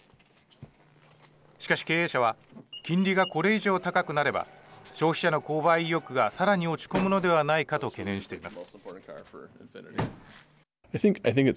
しかし、経営者は金利がこれ以上高くなれば消費者の購買意欲がさらに落ち込むのではないかと懸念しています。